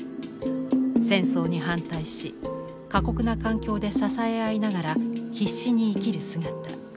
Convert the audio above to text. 戦争に反対し過酷な環境で支え合いながら必死に生きる姿。